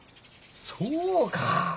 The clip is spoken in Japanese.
そうか。